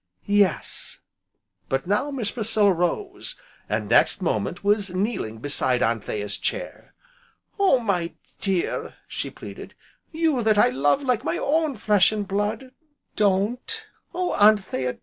"Yes." But now Miss Priscilla rose, and, next moment, was kneeling beside Anthea's chair. "Oh my dear!" she pleaded, "you that I love like my own flesh and blood, don't! Oh Anthea!